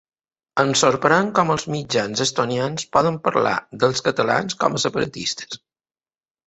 Em sorprèn com els mitjans estonians poden parlar dels catalans com a “separatistes”.